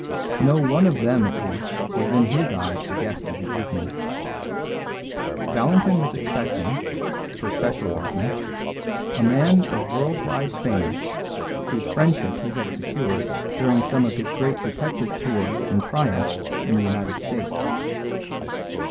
No one of them at least was in his eyes the guest of the evening. Valentin was expecting, for special reasons, a man of world wide fame, whose friendship he had secured during some of his great detective tours and triumphs in the United States.